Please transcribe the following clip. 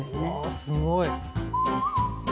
あすごい。